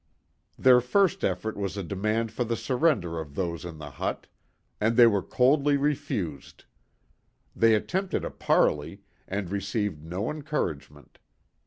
Their first effort was a demand for the surrender of those in the hut, and they were coldly refused. They attempted a parley, and received no encouragement.